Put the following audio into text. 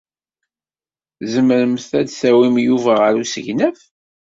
Tzemremt ad tawimt Yuba ɣer usegnaf?